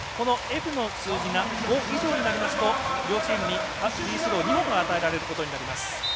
Ｆの数が５以上になりますと両チームにフリースロー２本が与えられることになります。